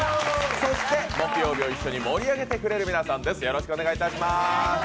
そして木曜日を一緒に盛り上げてくれる皆さんです。